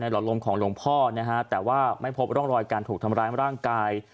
หลอดลมของหลวงพ่อนะฮะแต่ว่าไม่พบร่องรอยการถูกทำร้ายร่างกาย